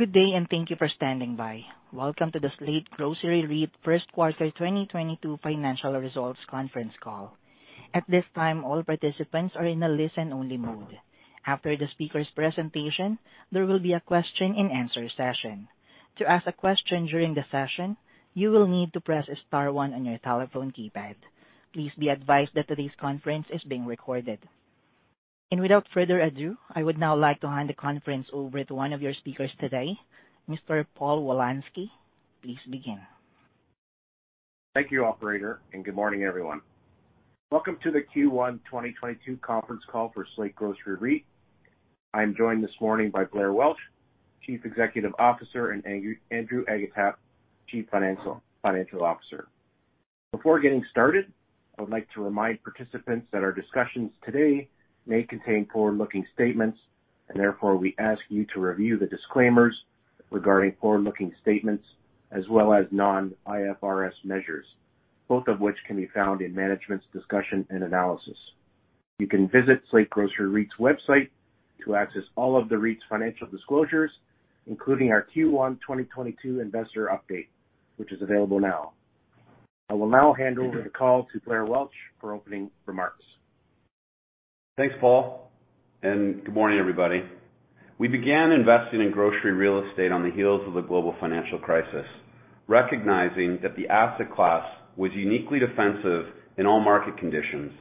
Good day, and thank you for standing by. Welcome to the Slate Grocery REIT First Quarter 2022 Financial Results Conference Call. At this time, all participants are in a listen-only mode. After the speaker's presentation, there will be a question-and-answer session. To ask a question during the session, you will need to press star one on your telephone keypad. Please be advised that today's conference is being recorded. Without further ado, I would now like to hand the conference over to one of your speakers today, Mr. Paul Wolanski. Please begin. Thank you, operator, and good morning, everyone. Welcome to the Q1 2022 Conference Call for Slate Grocery REIT. I'm joined this morning by Blair Welch, Chief Executive Officer, and Andrew Agatep, Chief Financial Officer. Before getting started, I would like to remind participants that our discussions today may contain forward-looking statements, and therefore we ask you to review the disclaimers regarding forward-looking statements as well as non-IFRS measures, both of which can be found in management's discussion and analysis. You can visit Slate Grocery REIT's website to access all of the REIT's financial disclosures, including our Q1 2022 investor update, which is available now. I will now hand over the call to Blair Welch for opening remarks. Thanks, Paul, and good morning, everybody. We began investing in grocery real estate on the heels of the global financial crisis, recognizing that the asset class was uniquely defensive in all market conditions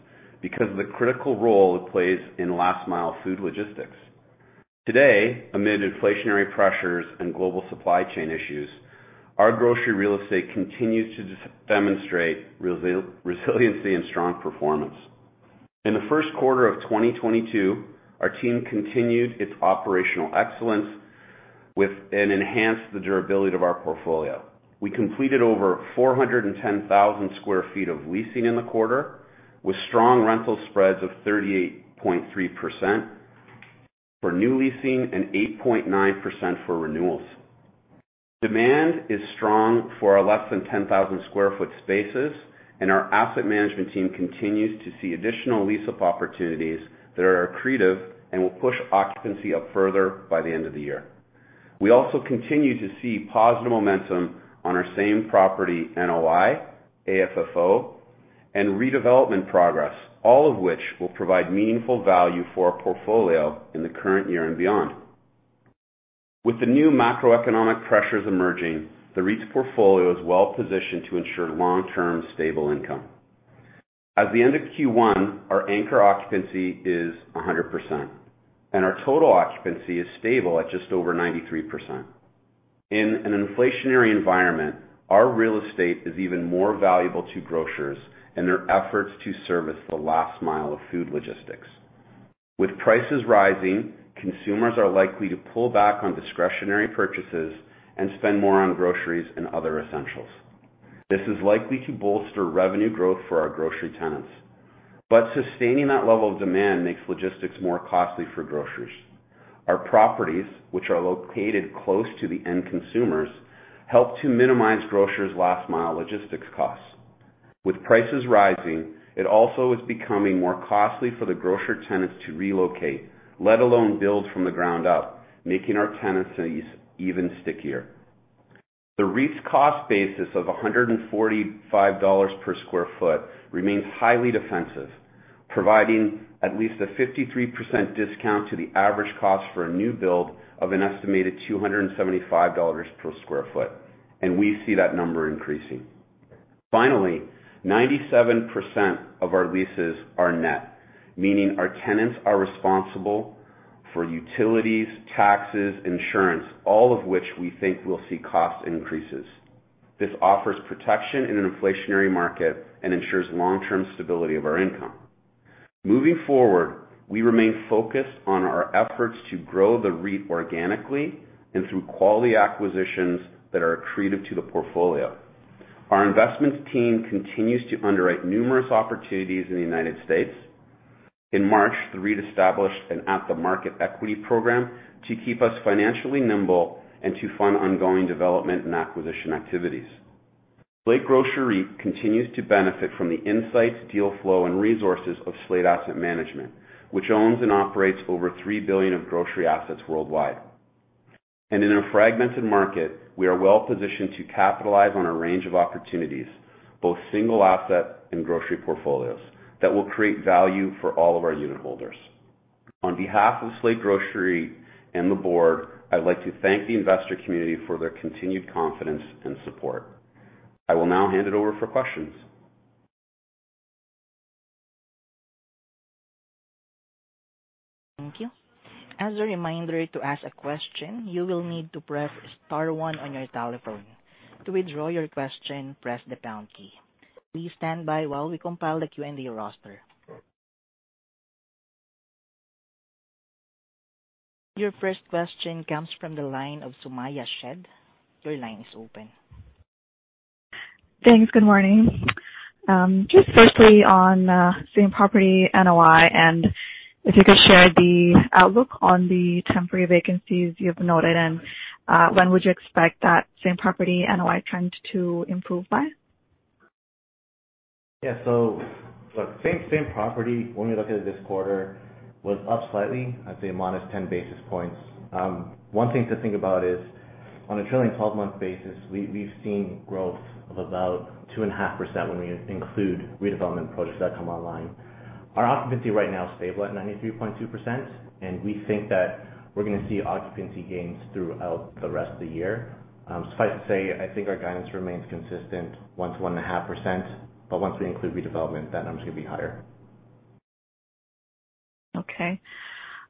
because of the critical role it plays in last mile food logistics. Today, amid inflationary pressures and global supply chain issues, our grocery real estate continues to demonstrate resiliency and strong performance. In the first quarter of 2022, our team continued its operational excellence and enhanced the durability of our portfolio. We completed over 410,000 sq ft of leasing in the quarter, with strong rental spreads of 38.3% for new leasing and 8.9% for renewals. Demand is strong for our less than 10,000 sq ft spaces, and our asset management team continues to see additional lease-up opportunities that are accretive and will push occupancy up further by the end of the year. We also continue to see positive momentum on our same-property NOI, AFFO, and redevelopment progress, all of which will provide meaningful value for our portfolio in the current year and beyond. With the new macroeconomic pressures emerging, the REIT's portfolio is well positioned to ensure long-term stable income. At the end of Q1, our anchor occupancy is 100%, and our total occupancy is stable at just over 93%. In an inflationary environment, our real estate is even more valuable to grocers and their efforts to service the last mile of food logistics. With prices rising, consumers are likely to pull back on discretionary purchases and spend more on groceries and other essentials. This is likely to bolster revenue growth for our grocery tenants. Sustaining that level of demand makes logistics more costly for grocers. Our properties, which are located close to the end consumers, help to minimize grocers' last mile logistics costs. With prices rising, it also is becoming more costly for the grocer tenants to relocate, let alone build from the ground up, making our tenancies even stickier. The REIT's cost basis of $145 per sq ft remains highly defensive, providing at least a 53% discount to the average cost for a new build of an estimated $275 per sq ft, and we see that number increasing. Finally, 97% of our leases are net, meaning our tenants are responsible for utilities, taxes, insurance, all of which we think will see cost increases. This offers protection in an inflationary market and ensures long-term stability of our income. Moving forward, we remain focused on our efforts to grow the REIT organically and through quality acquisitions that are accretive to the portfolio. Our investments team continues to underwrite numerous opportunities in the United States. In March, the REIT established an at-the-market equity program to keep us financially nimble and to fund ongoing development and acquisition activities. Slate Grocery REIT continues to benefit from the insights, deal flow, and resources of Slate Asset Management, which owns and operates over $3 billion of grocery assets worldwide. In a fragmented market, we are well positioned to capitalize on a range of opportunities, both single asset and grocery portfolios, that will create value for all of our unit holders. On behalf of Slate Grocery and the board, I'd like to thank the investor community for their continued confidence and support. I will now hand it over for questions. Thank you. As a reminder, to ask a question, you will need to press star one on your telephone. To withdraw your question, press the pound key. Please stand by while we compile the Q&A roster. Your first question comes from the line of Sumayya Syed. Your line is open. Thanks. Good morning. Just firstly on same-property NOI, and if you could share the outlook on the temporary vacancies you've noted, and when would you expect that same-property NOI trend to improve by? Yeah. Look, same-property when we look at it this quarter was up slightly, I'd say minus 10 basis points. One thing to think about is on a trailing twelve-month basis, we've seen growth of about 2.5% when we include redevelopment projects that come online. Our occupancy right now is stable at 93.2%, and we think that we're gonna see occupancy gains throughout the rest of the year. Suffice to say, I think our guidance remains consistent, 1%-1.5%, but once we include redevelopment, that number's gonna be higher. Okay.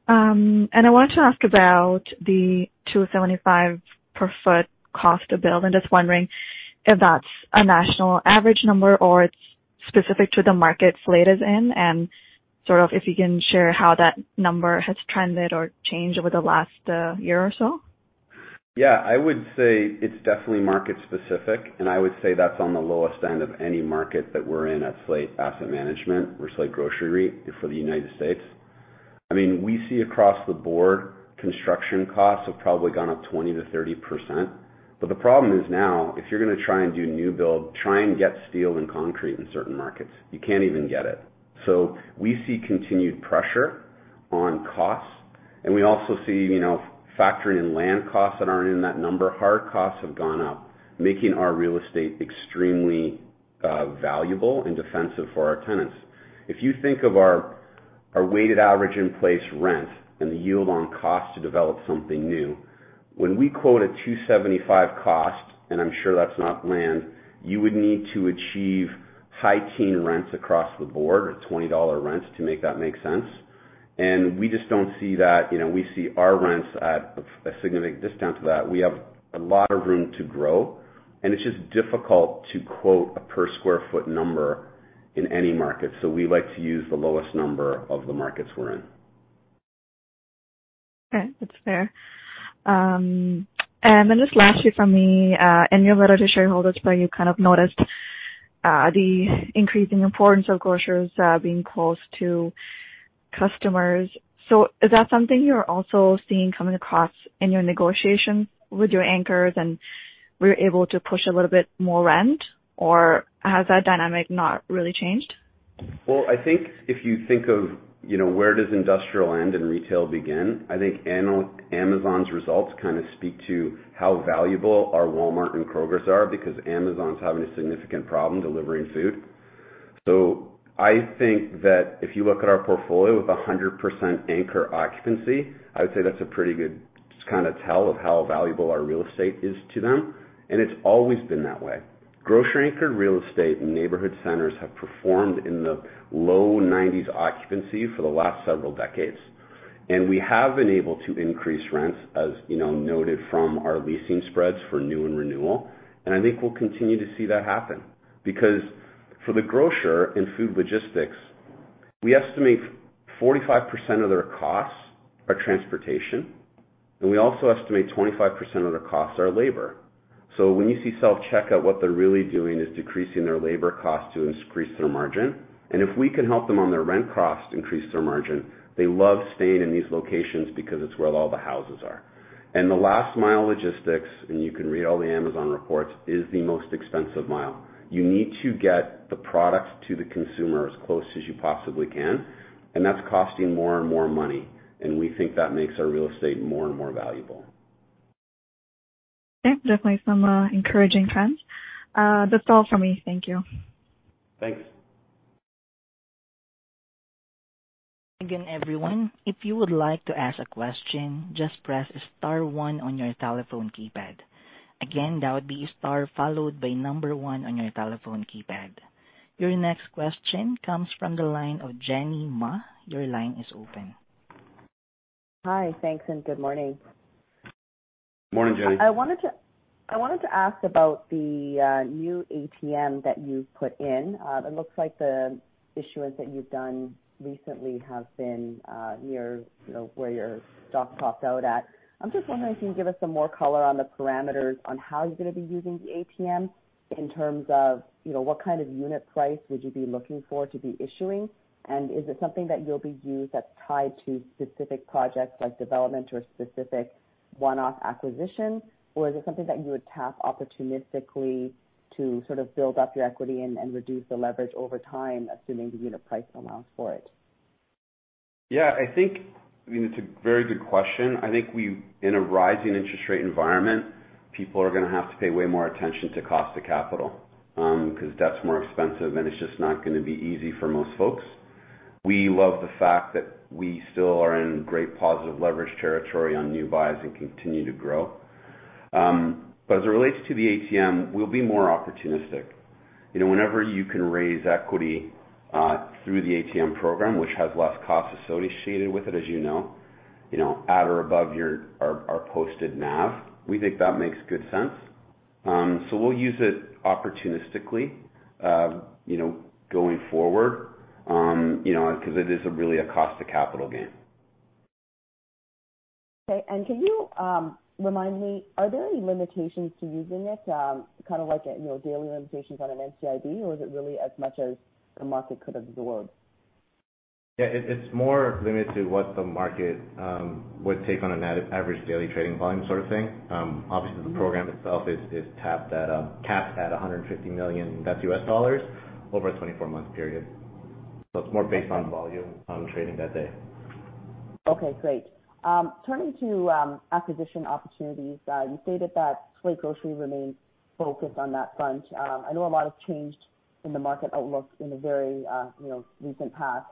I wanted to ask about the $275 per foot cost to build. I'm just wondering if that's a national average number or it's specific to the market Slate is in, and sort of if you can share how that number has trended or changed over the last year or so. Yeah. I would say it's definitely market specific, and I would say that's on the lowest end of any market that we're in at Slate Asset Management or Slate Grocery for the United States. I mean, we see across the board, construction costs have probably gone up 20%-30%. The problem is now if you're gonna try and do new build, try and get steel and concrete in certain markets, you can't even get it. We see continued pressure on costs, and we also see, you know, factoring in land costs that aren't in that number. Hard costs have gone up, making our real estate extremely valuable and defensive for our tenants. If you think of our weighted average in-place rent and the yield on cost to develop something new, when we quote a $275 cost, and I'm sure that's not land, you would need to achieve high-teen rents across the board or $20 rents to make that make sense. We just don't see that. You know, we see our rents at a significant discount to that. We have a lot of room to grow, and it's just difficult to quote a per sq ft number in any market. We like to use the lowest number of the markets we're in. Okay. That's fair. Just lastly from me, in your letter to shareholders where you kind of noticed the increasing importance of grocers being close to customers, so is that something you're also seeing coming across in your negotiations with your anchors, and were you able to push a little bit more rent, or has that dynamic not really changed? Well, I think if you think of, you know, where does industrial end and retail begin, I think Amazon's results kind of speak to how valuable our Walmart and Kroger are because Amazon's having a significant problem delivering food. I think that if you look at our portfolio with 100% anchor occupancy, I would say that's a pretty good just kinda tell of how valuable our real estate is to them. It's always been that way. Grocery-anchored real estate and neighborhood centers have performed in the low 90s% occupancy for the last several decades. We have been able to increase rents, as, you know, noted from our leasing spreads for new and renewal. I think we'll continue to see that happen because for the grocer in food logistics, we estimate 45% of their costs are transportation, and we also estimate 25% of their costs are labor. When you see self-checkout, what they're really doing is decreasing their labor cost to increase their margin. If we can help them on their rent cost increase their margin, they love staying in these locations because it's where all the houses are. The last mile logistics, and you can read all the Amazon reports, is the most expensive mile. You need to get the product to the consumer as close as you possibly can, and that's costing more and more money. We think that makes our real estate more and more valuable. Okay. Definitely some encouraging trends. That's all for me. Thank you. Thanks. Again, everyone, if you would like to ask a question, just press star one on your telephone keypad. Again, that would be star followed by number one on your telephone keypad. Your next question comes from the line of Jenny Ma. Your line is open. Hi. Thanks and good morning. Morning, Jenny. I wanted to ask about the new ATM that you've put in. It looks like the issuance that you've done recently has been near, you know, where your stock topped out at. I'm just wondering if you can give us some more color on the parameters on how you're gonna be using the ATM in terms of, you know, what kind of unit price would you be looking for to be issuing. Is it something that you'll be using that's tied to specific projects like development or specific one-off acquisition? Or is it something that you would tap opportunistically to sort of build up your equity and reduce the leverage over time, assuming the unit price allows for it? Yeah. I mean, it's a very good question. I think in a rising interest rate environment, people are gonna have to pay way more attention to cost of capital, 'cause debt's more expensive, and it's just not gonna be easy for most folks. We love the fact that we still are in great positive leverage territory on new buys and continue to grow. As it relates to the ATM, we'll be more opportunistic. You know, whenever you can raise equity through the ATM program, which has less costs associated with it as you know, you know, at or above our posted NAV, we think that makes good sense. We'll use it opportunistically, you know, going forward, you know, because it is really a cost of capital gain. Okay. Can you remind me, are there any limitations to using it, kind of like, you know, daily limitations on an NCIB, or is it really as much as the market could absorb? Yeah, it's more limited to what the market would take on an average daily trading volume sort of thing. Obviously the program itself is capped at $150 million over a 24-month period. It's more based on volume on trading that day. Okay, great. Turning to acquisition opportunities. You stated that Slate Grocery remains focused on that front. I know a lot has changed in the market outlook in the very, you know, recent past.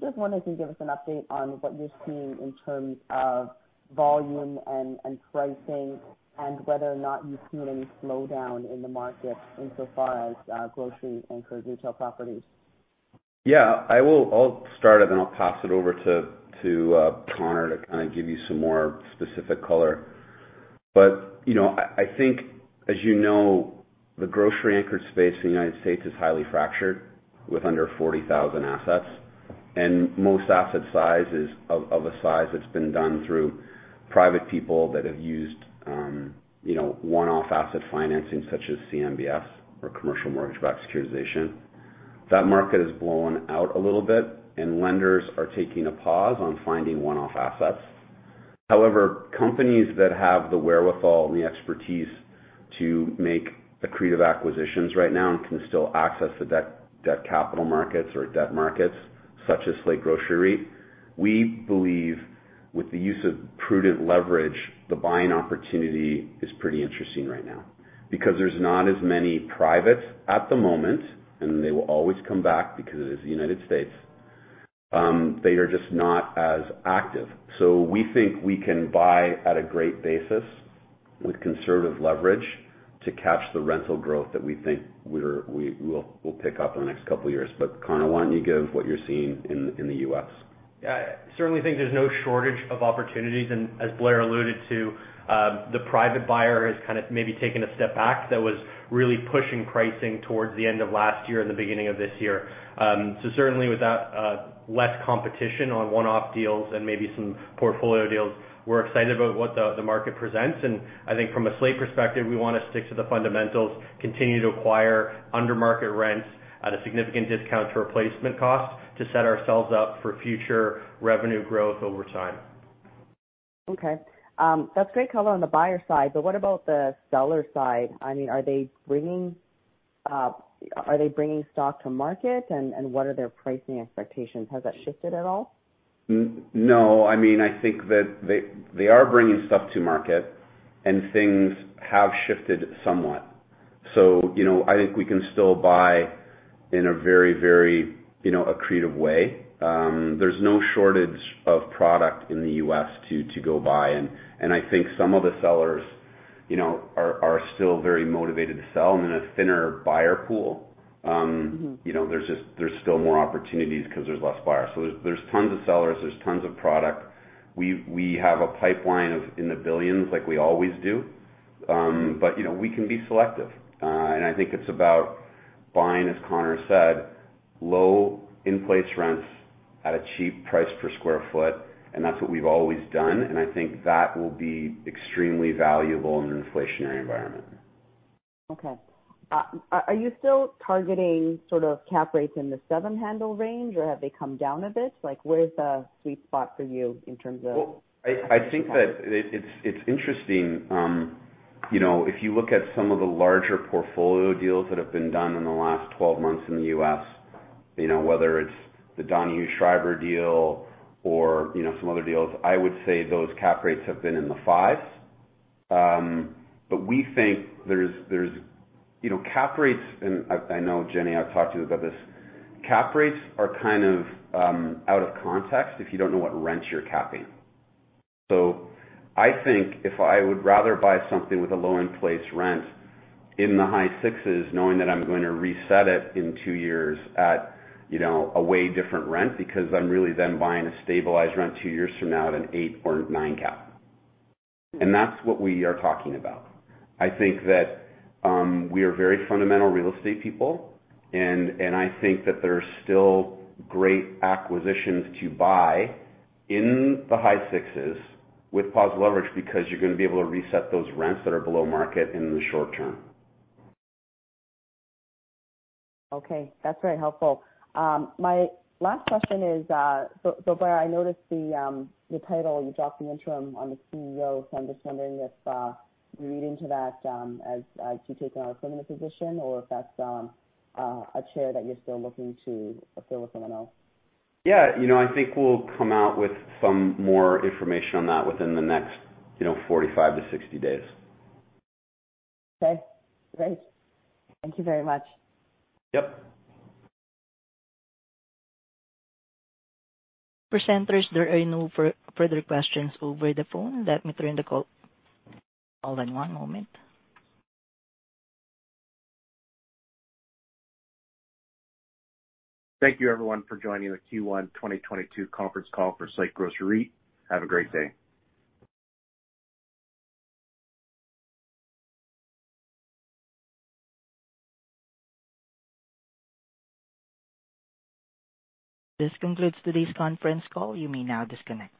Just wondering if you can give us an update on what you're seeing in terms of volume and pricing and whether or not you've seen any slowdown in the market in so far as grocery-anchored retail properties? Yeah. I'll start it then I'll pass it over to Conor to kind of give you some more specific color. You know, I think as you know, the grocery-anchored space in the United States is highly fractured with under 40,000 assets. Most asset size is of a size that's been done through private people that have used, you know, one-off asset financing such as CMBS or commercial mortgage-backed securitization. That market has blown out a little bit, and lenders are taking a pause on financing one-off assets. However, companies that have the wherewithal and the expertise to make accretive acquisitions right now and can still access the debt capital markets or debt markets such as Slate Grocery, we believe with the use of prudent leverage, the buying opportunity is pretty interesting right now. Because there's not as many privates at the moment, and they will always come back because it is the United States, they are just not as active. We think we can buy at a great basis with conservative leverage to catch the rental growth that we think we'll pick up in the next couple of years. Conor, why don't you give what you're seeing in the U.S.? Yeah. Certainly think there's no shortage of opportunities and as Blair alluded to, the private buyer has kind of maybe taken a step back that was really pushing pricing towards the end of last year and the beginning of this year. So certainly with that, less competition on one-off deals and maybe some portfolio deals, we're excited about what the market presents. I think from a Slate perspective, we wanna stick to the fundamentals, continue to acquire under market rents at a significant discount to replacement cost to set ourselves up for future revenue growth over time. Okay. That's great color on the buyer side, but what about the seller side? I mean, are they bringing stock to market? And what are their pricing expectations? Has that shifted at all? No. I mean, I think that they are bringing stuff to market, and things have shifted somewhat. You know, I think we can still buy in a very accretive way. There's no shortage of product in the U.S. to go buy. I think some of the sellers, you know, are still very motivated to sell, and in a thinner buyer pool. Mm-hmm. You know, there's still more opportunities because there's less buyers. There's tons of sellers, there's tons of product. We have a pipeline in the $ billions like we always do. You know, we can be selective. I think it's about buying, as Conor said, low in-place rents at a cheap price per sq ft, and that's what we've always done, and I think that will be extremely valuable in an inflationary environment. Okay. Are you still targeting sort of cap rates in the seven handle range or have they come down a bit? Like, where's the sweet spot for you in terms of? Well, I think that it's interesting. You know, if you look at some of the larger portfolio deals that have been done in the last 12 months in the U.S., you know, whether it's the Donahue Schriber deal or, you know, some other deals, I would say those cap rates have been in the fives. We think there's. You know, cap rates, and I know, Jenny, I've talked to you about this. Cap rates are kind of out of context if you don't know what rents you're capping. I think if I would rather buy something with a low in-place rent in the high sixes knowing that I'm going to reset it in uwo years at, you know, a way different rent because I'm really then buying a stabilized rent two years from now at an eight or nine cap. That's what we are talking about. I think that we are very fundamental real estate people and I think that there are still great acquisitions to buy in the high sixes with positive leverage because you're gonna be able to reset those rents that are below market in the short term. Okay. That's very helpful. My last question is, so Blair, I noticed the title you dropped from interim on the CEO. I'm just wondering if you read into that, as you taking on a permanent position or if that's a chair that you're still looking to fill with someone else. Yeah. You know, I think we'll come out with some more information on that within the next, you know, 45-60 days. Okay. Great. Thank you very much. Yep. Presenters, there are no further questions over the phone. Let me turn the call line one moment. Thank you everyone for joining the Q1 202 Coonference call for Slate Grocery REIT. Have a great day. This concludes today's conference call. You may now disconnect.